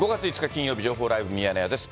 金曜日、情報ライブミヤネ屋です。